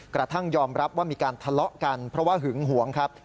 กระทั่งยอมรับว่ามีการทะเลาะกันเพราะว่าหึงหวงครับ